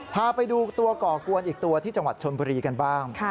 พาไปดูตัวก่อกวนอีกตัวที่จังหวัดชนบุรีกันบ้าง